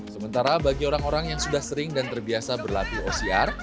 sementara bagi orang orang yang sudah sering dan terbiasa berlatih ocr